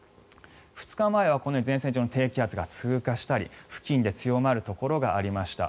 ２日前はこのように前線上の低気圧が通過したり付近で強まるところがありました。